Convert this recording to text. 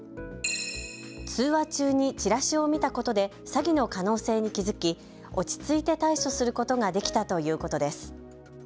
通話中にチラシを見たことで詐欺の可能性に気付き落ち着いて対処することができたということです。